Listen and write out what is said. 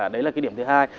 đấy là cái điểm thứ hai